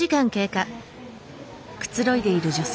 くつろいでいる女性。